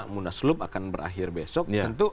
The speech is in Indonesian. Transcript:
munaslup akan berakhir besok tentu